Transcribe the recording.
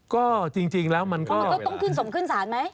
ก็จริงแล้วมันก็ต้องขึ้นส่งขึ้นศาลไหม